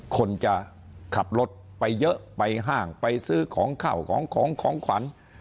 คนจะขับรถไปเยอะไปห้างไปซื้อของข้าวของของขวัญ